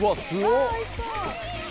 うわおいしそう！